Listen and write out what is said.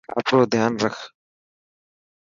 آپرو ڌيان رک.